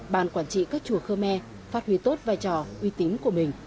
ban quản trị các chùa khơ me phát huy tốt vai trò uy tín của mình